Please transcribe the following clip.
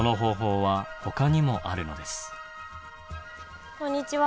でもこんにちは。